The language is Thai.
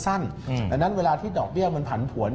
ดังนั้นเวลาที่ดอกเบี้ยมันผันผวน